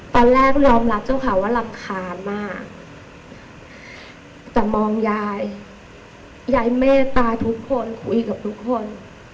ตอนแรกยอมรับเจ้าค่ะว่ารำคาญมากแต่มองยายยายเมตตาทุกคนคุยกับทุกคน